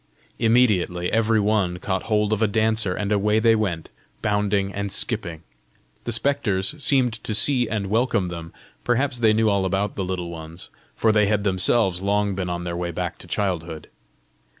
Immediately every one caught hold of a dancer, and away they went, bounding and skipping. The spectres seemed to see and welcome them: perhaps they knew all about the Little Ones, for they had themselves long been on their way back to childhood!